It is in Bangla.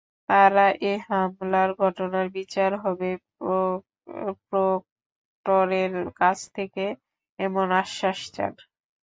তাঁরা এ হামলার ঘটনার বিচার হবে প্রক্টরের কাছ থেকে এমন আশ্বাস চান।